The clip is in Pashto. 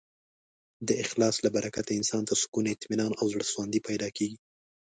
د اخلاص له برکته انسان ته سکون، اطمینان او زړهسواندی پیدا کېږي.